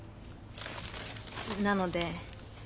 なので。